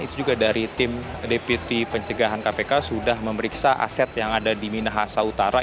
itu juga dari tim deputi pencegahan kpk sudah memeriksa aset yang ada di minahasa utara